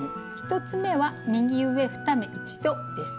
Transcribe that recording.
１つ目は「右上２目一度」です。